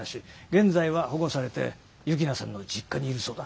現在は保護されて幸那さんの実家にいるそうだ。